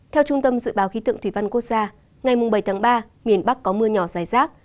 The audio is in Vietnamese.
theo trung tâm dự báo khí tượng thủy văn quốc gia ngày bảy tháng ba miền bắc có mưa nhỏ dài rác